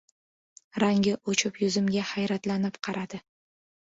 Rangi o‘chib, yuzimga hayratlanib qaradi.